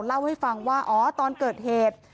เล่าให้ฟังว่าอ๋อตอนเกิดเหตุ